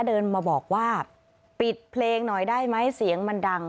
เดินมาบอกว่าปิดเพลงหน่อยได้ไหมเสียงมันดัง